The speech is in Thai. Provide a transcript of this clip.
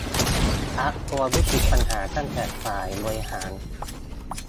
รัฐควรยุติปัญหาตั้งแต่ฝ่ายบริหาร